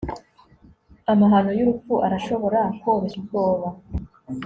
amahano y'urupfu arashobora koroshya ubwoba